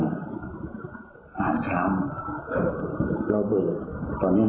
อาหารกลางวัน๖๒ชั้น